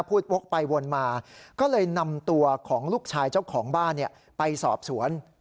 วกไปวนมาก็เลยนำตัวของลูกชายเจ้าของบ้านไปสอบสวน